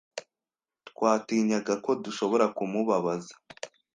Twatinyaga ko dushobora kumubabaza.